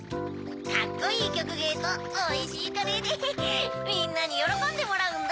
カッコいいきょくげいとおいしいカレーでみんなによろこんでもらうんだ。